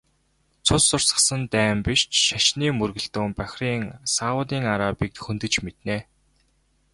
Цус урсгасан дайн биш ч шашны мөргөлдөөн Бахрейн, Саудын Арабыг хөндөж мэднэ.